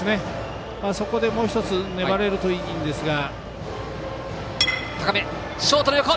そこでもう１つ粘れるといいんですが。